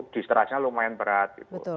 distrasi nya lumayan berat